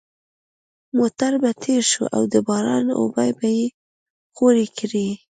موټر به تېر شو او د باران اوبه به یې خورې کړې